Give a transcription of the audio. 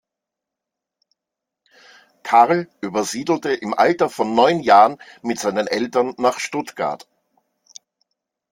Karl übersiedelte im Alter von neun Jahren mit seinen Eltern nach Stuttgart.